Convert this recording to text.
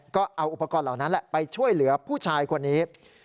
ก็เอาอุปกรณ์เหล่านั้นแหละไปช่วยเหลือผู้ชายคนนี้